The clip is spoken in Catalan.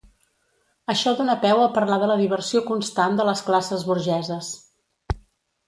Això dona peu a parlar de la diversió constant de les classes burgeses.